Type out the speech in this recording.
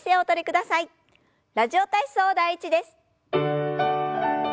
「ラジオ体操第１」です。